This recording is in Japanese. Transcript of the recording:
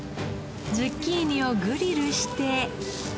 ズッキーニをグリルして。